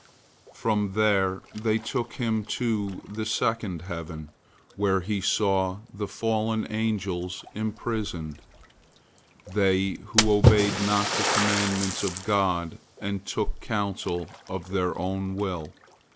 From there they took him to the second heaven, where he saw the fallen angels imprisoned, they who obeyed not the commandments of God, and took counsel of their own will.